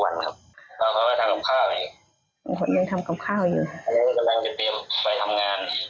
ใครได้ยินเสียง